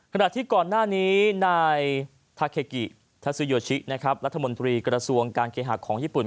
ขณะที่ก่อนหน้านี้นายทาเคกิทัศูโยชินะครับรัฐมนตรีกระทรวงการเคหะของญี่ปุ่น